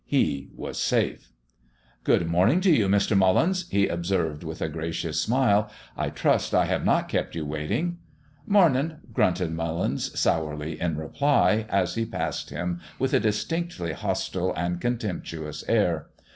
He was safe! "Good morning to you, Mr. Mullins," he observed with a gracious smile. "I trust I have not kept you waiting." "Mornin'!" grunted Mullins sourly in reply, as he passed him with a distinctly hostile and contemptuous air.